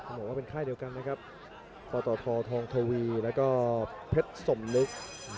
บอกว่าเป็นค่ายเดียวกันนะครับปตททองทวีแล้วก็เพชรสมนึก